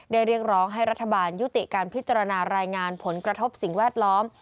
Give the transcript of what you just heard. เรียกร้องให้รัฐบาลยุติการพิจารณารายงานผลกระทบสิ่งแวดล้อม